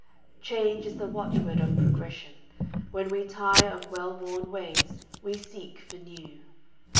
Change is the watchword of Progression. When We tire of well worn ways we seek for new.